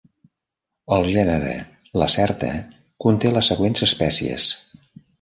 El gènere "Lacerta" conté les següents espècies.